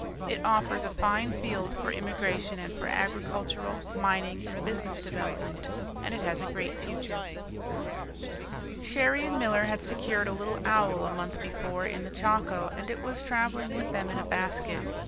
It offers a fine field for immigration and for agricultural, mining, and business development; and it has a great future. Cherrie and Miller had secured a little owl a month before in the Chaco, and it was travelling with them in a basket.